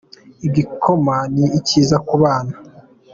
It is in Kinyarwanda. Igikoma ni cyiza ku bana.